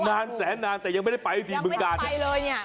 นานแสนนานแต่ยังไม่ได้ไปที่บึงกายังไม่ได้ไปเลยเนี่ย